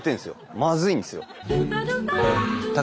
まずいんですよ。